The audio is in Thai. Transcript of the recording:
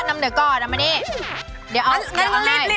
เมบบ้านติดเฟรด